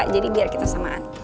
jadi biar kita samaan